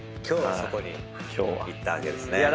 今日はそこにいったわけですね。